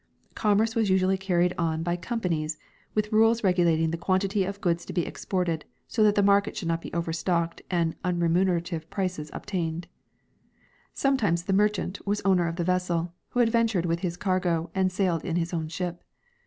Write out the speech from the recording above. Commerce Avas usually carried on by companies, with rules regulating the quantity of goods to be exported, so that the market should not be overstocked and unremunerative prices obtained. Sometimes the merchant was owner of the vessel, who adventured with his cargo and sailed in his own ship.